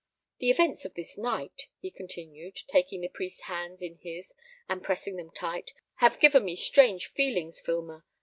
The events of this night," he continued, taking the priest's hands in his and pressing them tight, "have given me strange feelings, Filmer.